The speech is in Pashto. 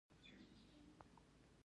هغه یو مثال ورکوي.